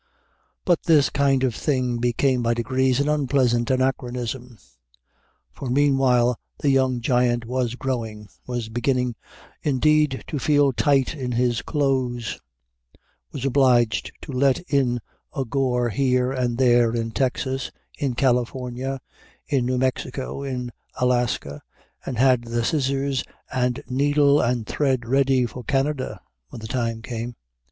But this kind of thing became by degrees an unpleasant anachronism. For meanwhile the young giant was growing, was beginning indeed to feel tight in his clothes, was obliged to let in a gore here and there in Texas, in California, in New Mexico, in Alaska, and had the scissors and needle and thread ready for Canada when the time came.